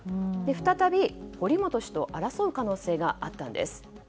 再び、堀本氏と争う可能性があったんです。